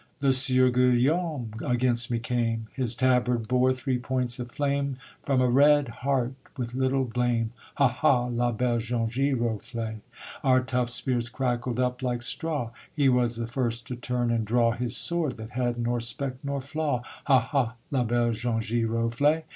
_ The Sieur Guillaume against me came, His tabard bore three points of flame From a red heart: with little blame, Hah! hah! la belle jaune giroflée. Our tough spears crackled up like straw; He was the first to turn and draw His sword, that had nor speck nor flaw; _Hah! hah! la belle jaune giroflée.